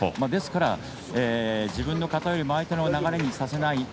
ですから自分の型よりも相手の流れにさせない。